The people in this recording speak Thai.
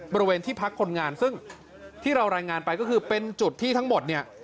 บริเวณที่พักคนงานซึ่งที่เรารายงานไปก็คือเป็นจุดที่ทั้งหมดเนี่ย